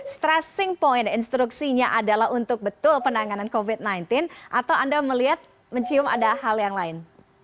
stressing point instruksinya adalah untuk betul penanganan covid sembilan belas atau anda melihat mencium ada hal yang lain